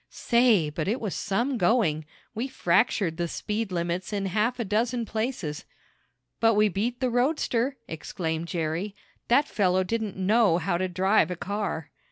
Say, but it was some going! We fractured the speed limits in half a dozen places." "But we beat the roadster!" exclaimed Jerry. "That fellow didn't know how to drive a car."